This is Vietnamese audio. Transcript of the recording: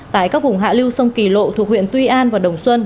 tại các vùng hạ lưu sông kỳ lộ thuộc huyện tuy an và đồng xuân